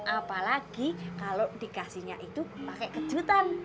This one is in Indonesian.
apalagi kalau dikasihnya itu pakai kejutan